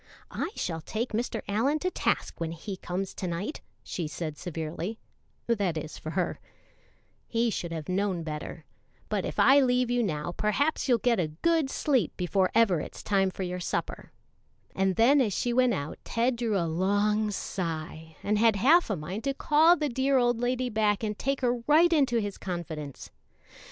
"I shall take Mr. Allyn to task when he comes to night," she said severely (that is, for her); "he should have known better; but if I leave you now perhaps you'll get a good sleep before ever it's time for your supper;" and then as she went out Ted drew a long sigh, and had half a mind to call the dear old lady back and take her right into his confidence.